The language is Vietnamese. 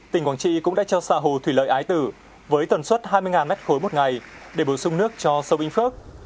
tỉnh quảng trị cũng đã cho xã hồ thủy lợi ái tử với tuần suất hai mươi mét khối một ngày để bổ sung nước cho sông vĩnh phước